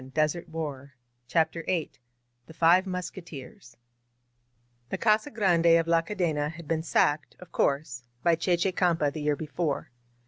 ••• CHAFTER VIII THE FIVE MUSKETEERS THE Casa Grande of La Cadena had been sacked, of course, by Che Che Campa the year be fore.